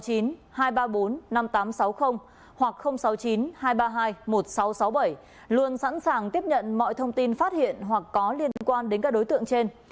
cơ quan công an sáu mươi bảy luôn sẵn sàng tiếp nhận mọi thông tin phát hiện hoặc có liên quan đến các đối tượng trên